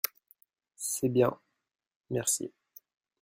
C’est bien… merci…